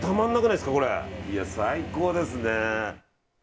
いや、最高ですね。